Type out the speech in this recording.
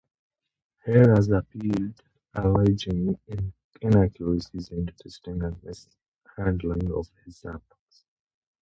Heras appealed, alleging inaccuracies in the testing and mishandling of his samples.